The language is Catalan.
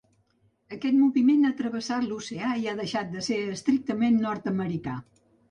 Aquest moviment ha travessat l’oceà i ha deixat de ser estrictament nord-americà.